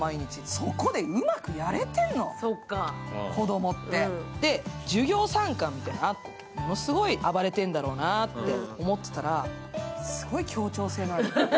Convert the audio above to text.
そこでうまくやれてるのかな、子供ってで、授業参観があってものすごい暴れてるんだろうなって思ってたらすごい協調性のある。